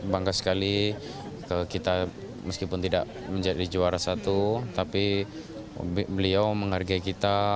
bangga sekali kita meskipun tidak menjadi juara satu tapi beliau menghargai kita